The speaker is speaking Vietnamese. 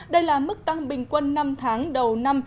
đây là mức tăng bình quân năm tháng đầu năm